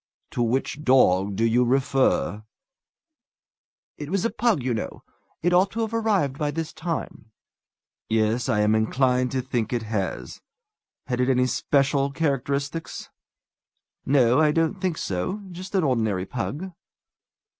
"To which dog do you refer?" "It was a pug, you know. It ought to have arrived by this time." "Yes. I am inclined to think it has. Had it any special characteristics?" "No, I don't think so. Just an ordinary pug."